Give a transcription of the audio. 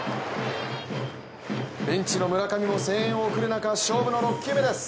ベンチの村上も声援を送る中勝負の６球目です。